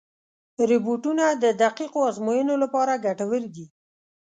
روبوټونه د دقیقو ازموینو لپاره ګټور دي.